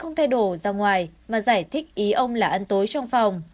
ông trump đã bảo vệ bà ngoài mà giải thích ý ông là ăn tối trong phòng